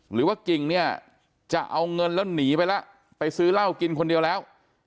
หรือว่ากิ่งเนี่ยจะเอาเงินแล้วหนีไปแล้วไปซื้อเหล้ากินคนเดียวแล้ว